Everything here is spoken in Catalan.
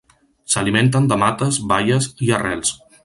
S'alimenten de mates, baies i arrels.